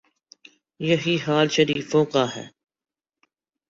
یہی حال شریفوں کا ہے۔